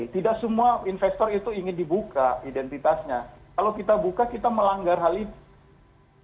tidak semua investor itu ingin dibuka identitasnya kalau kita buka kita melanggar hal itu